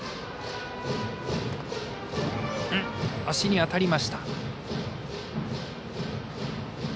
足に当たりました。